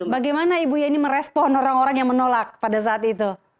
bagaimana ibu yeni merespon orang orang yang menolak pada saat itu